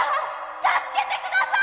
助けてください！